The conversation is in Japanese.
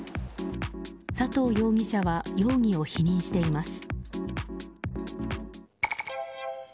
佐藤容疑者は容疑を否認しています。